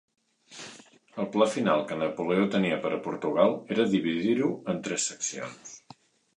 El pla final que Napoleó tenia per a Portugal era dividir-ho en tres seccions.